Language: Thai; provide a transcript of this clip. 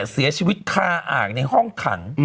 เสียชีวิตคาอ่างในห้องขัง